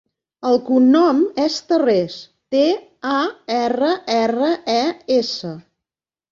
El cognom és Tarres: te, a, erra, erra, e, essa.